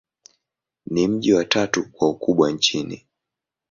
Ni mji wa tatu kwa ukubwa nchini.